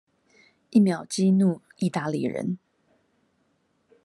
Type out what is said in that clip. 一秒激怒義大利人